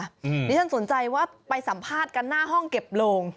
ที่เล่าเลยค่ะนี่ฉันสนใจว่าไปสัมภาษณ์กันหน้าห้องเก็บโลง